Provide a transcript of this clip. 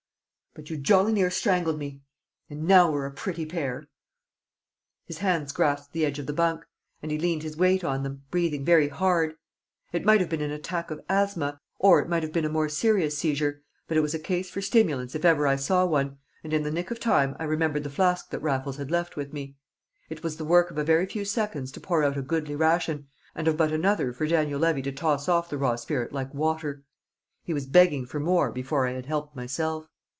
"But you jolly nearly strangled me. And now we're a pretty pair!" His hands grasped the edge of the bunk, and he leant his weight on them, breathing very hard. It might have been an attack of asthma, or it might have been a more serious seizure, but it was a case for stimulants if ever I saw one, and in the nick of time I remembered the flask that Raffles had left with me. It was the work of a very few seconds to pour out a goodly ration, and of but another for Daniel Levy to toss off the raw spirit like water. He was begging for more before I had helped myself.